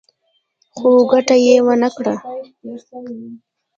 خو ګټه يې ونه کړه.